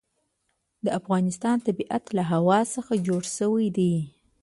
د افغانستان طبیعت له هوا څخه جوړ شوی دی.